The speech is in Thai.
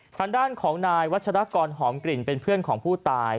ทางด้านของนายวัชรกรหอมกลิ่นเป็นเพื่อนของผู้ตาย